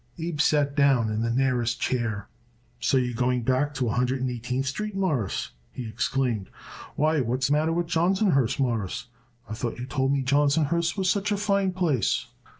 Abe sat down in the nearest chair. "So you're going to move back to a Hundred and Eighteenth Street, Mawruss," he exclaimed. "Why, what's the matter with Johnsonhurst, Mawruss? I thought you told it me Johnsonhurst was such a fine place."